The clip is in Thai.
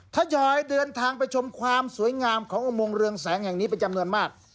ทยอยเดินทางไปชมความสวยงามของอุโมงเรืองแสงแห่งนี้เป็นจำนวนมาก